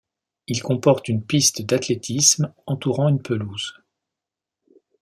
Il comporte une piste d’athlétisme entourant une pelouse.